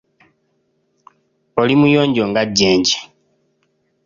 Oli muyonjo nga jjenje.